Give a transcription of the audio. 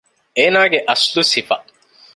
އޭނާގެ އަސްލު ސިފަ